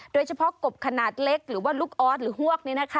โดยเฉพาะกบขนาดเล็กหรือว่าลูกออสหรือฮวก